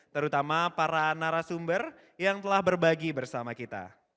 terutama para narasumber yang telah berbagi bersama kita